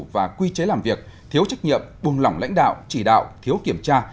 và quy chế làm việc thiếu trách nhiệm buông lỏng lãnh đạo chỉ đạo thiếu kiểm tra